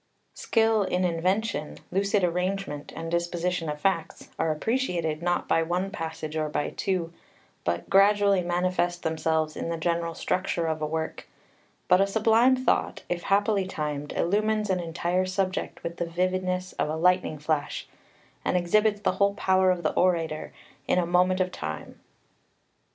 Skill in invention, lucid arrangement and disposition of facts, are appreciated not by one passage, or by two, but gradually manifest themselves in the general structure of a work; but a sublime thought, if happily timed, illumines an entire subject with the vividness of a lightning flash, and exhibits the whole power of the orator in a moment of time.